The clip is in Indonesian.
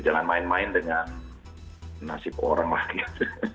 jangan main main dengan nasib orang lah gitu